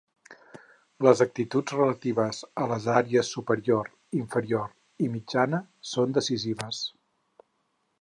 Les actituds relatives a les àrees superior, inferior i mitjana són decisives.